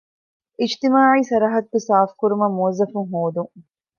އިޖުތިމާޢީ ސަރަހައްދު ސާފުކުރުމަށް މުވައްޒަފުން ހޯދުން